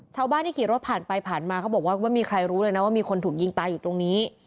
ชาวบ้านที่ขี่รถผ่านไปผ่านมาเขาบอกว่าไม่มีใครรู้เลยนะว่ามีคนถูกยิงตายอยู่ตรงนี้